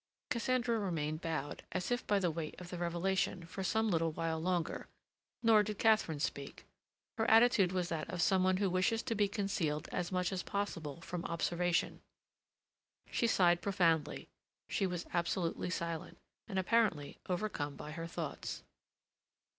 Cassandra remained bowed, as if by the weight of the revelation, for some little while longer. Nor did Katharine speak. Her attitude was that of some one who wishes to be concealed as much as possible from observation. She sighed profoundly; she was absolutely silent, and apparently overcome by her thoughts.